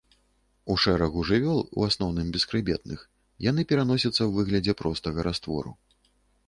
У шэрагу жывёл, у асноўным, бесхрыбетных, яны пераносяцца ў выглядзе простага раствору.